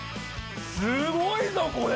すごいぞこれ！